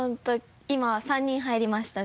今３人入りました